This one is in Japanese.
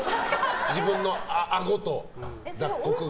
自分の顎と雑穀が。